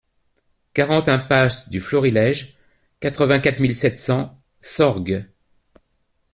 quarante impasse du Florilège, quatre-vingt-quatre mille sept cents Sorgues